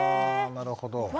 あなるほど。